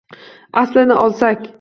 Aslini olsak.